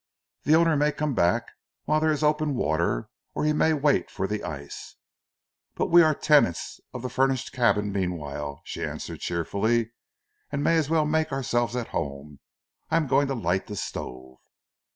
"The owner may come back while there is open water, or he may wait for the ice." "But we are tenants of the furnished cabin meanwhile," she answered cheerfully, "and may as well make ourselves at home. I'm going to light the stove."